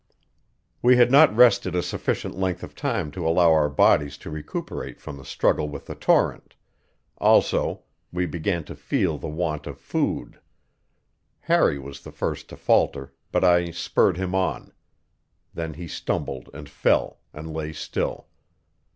We had not rested a sufficient length of time to allow our bodies to recuperate from the struggle with the torrent; also, we began to feel the want of food. Harry was the first to falter, but I spurred him on. Then he stumbled and fell and lay still.